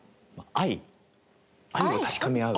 愛を確かめ合う。